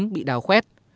bị đào khuét